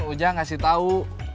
kemarin ujang ngasih tahu